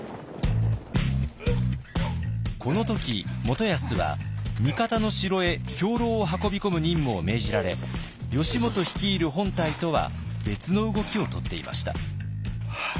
この時元康は味方の城へ兵糧を運び込む任務を命じられ義元率いる本隊とは別の動きをとっていました。